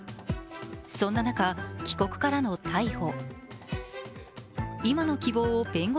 そんな中、帰国からの逮捕。